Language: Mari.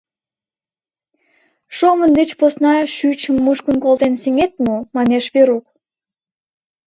— Шовын деч посна шӱчым мушкын колтен сеҥет мо? — манеш Верук.